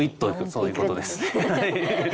そういうことです。